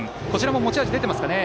持ち味が出ていますかね。